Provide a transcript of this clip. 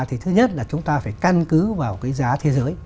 thì thứ nhất là chúng ta phải căn cứ vào cái giá thế giới